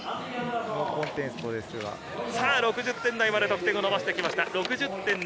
６０点台まで得点を伸ばしてきました。